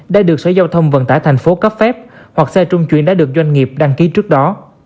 đã được sở giao thông vận tải thành phố cấp phép hoặc xe trung chuyển đã được doanh nghiệp đăng ký trước đó